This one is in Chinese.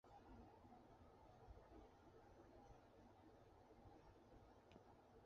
当米纳哈萨的基督徒购买新年除夕庆祝活动所用的猪肉时发生爆炸。